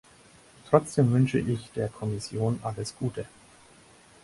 Trotzdem wünsche ich der Kommission alles Gute.